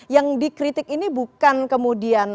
yang dikritik ini bukan kemudian